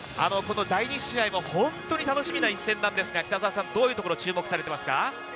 第２試合も本当に楽しみな一戦ですが、どういうところに注目されてますか？